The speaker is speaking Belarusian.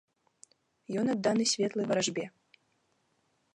Ён адданы светлай варажбе.